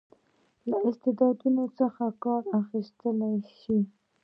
له استعدادونو څخه کار واخیستل شي.